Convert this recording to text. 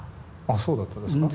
ああそうだったですか。